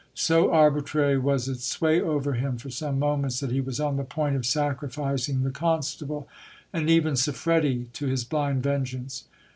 So arbitrary was its sway over him for some moments, that he was on the point of sacrificing the constable, and even Siffredi, to his blind vengeance.